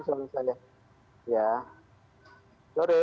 selamat sore pak sugeng